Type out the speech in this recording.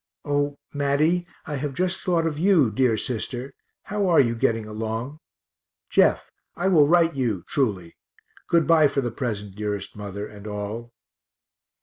O Matty, I have just thought of you dear sister, how are you getting along? Jeff, I will write you truly. Good bye for the present, dearest mother, and all.